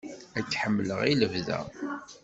Ad k-ḥemmleɣ i lebda!